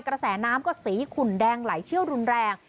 กระแสน้ำก็สีขุ่นแดงไหลเชี่ยวรุนแรง